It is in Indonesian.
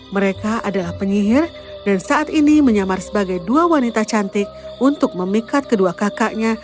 mereka adalah penyihir dan saat ini menyamar sebagai dua wanita cantik untuk memikat kedua kakaknya